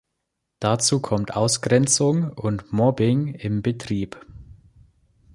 Dazu kommt Ausgrenzung und Mobbing im Betrieb.